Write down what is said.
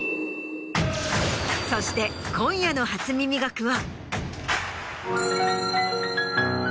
そして今夜の『初耳学』は。